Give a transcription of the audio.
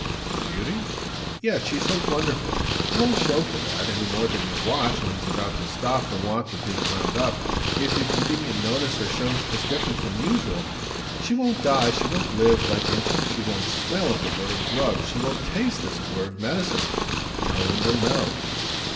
"The beauty ?" "Yes, she's so wonderful. She won't show for that, any more than your watch, when it's about to stop for want of being wound up, gives you convenient notice or shows as different from usual. She won't die, she won't live, by inches. She won't smell, as it were, of drugs. She won't taste, as it were, of medicine. No one will know."